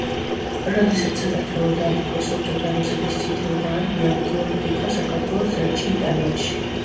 როდესაც საქართველო დაიპყრო საბჭოთა რუსეთის წითელმა არმიამ, გიორგი იყო საქართველოს ელჩი იტალიაში.